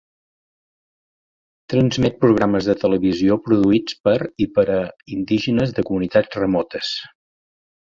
Transmet programes de televisió produïts per, i per a, indígenes de comunitats remotes.